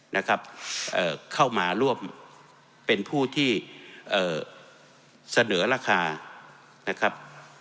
นะครับเอ่อเข้ามาร่วมเป็นผู้ที่เอ่อเสนอราคานะครับ